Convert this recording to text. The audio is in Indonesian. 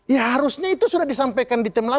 ya harusnya itu sudah disampaikan di tim delapan